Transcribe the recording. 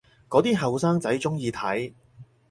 嗰啲後生仔鍾意睇